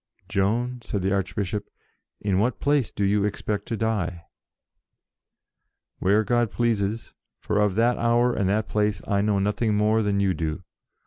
"Joan," said the Archbishop, "in what place do you expect to die?" "Where God pleases, for of that hour and that place I know nothing more than you do.